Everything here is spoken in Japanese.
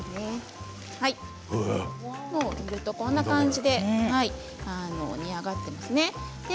煮るとこんな感じで煮上がっていますね。